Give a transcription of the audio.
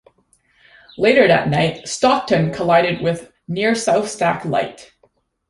Later that night, "Stockton" collided with near South Stack Light.